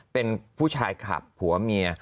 เป็นผู้ชายขับผัวเมีย